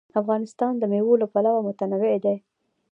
افغانستان د مېوې له پلوه متنوع دی.